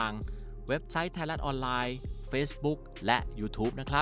โน้ท